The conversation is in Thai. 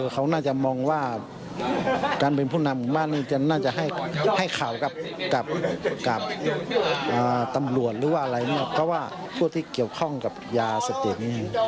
เขาพูดถึงเรื่องนี้ก่อนนะครับ